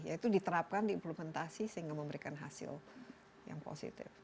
yaitu diterapkan diimplementasi sehingga memberikan hasil yang positif